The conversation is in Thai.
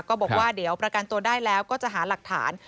บอกว่าเดี๋ยวประกันตัวได้แล้วก็จะหาหลักฐาน